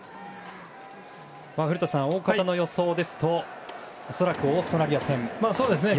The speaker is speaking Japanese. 古田さん、大方の予想ですと恐らくオーストラリア戦で。